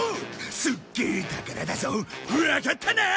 すっげえ宝だぞわかったな！